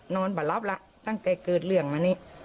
นอนบ่รับละตั้งแต่เกิดเรื่องมานี้